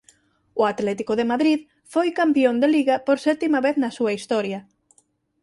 O Atlético de Madrid foi campión de liga por sétima vez na súa historia.